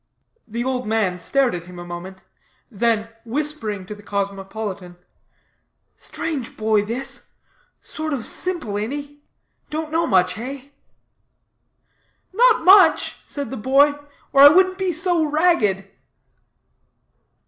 The old man stared at him a moment; then, whispering to the cosmopolitan: "Strange boy, this; sort of simple, ain't he? Don't know much, hey?" "Not much," said the boy, "or I wouldn't be so ragged."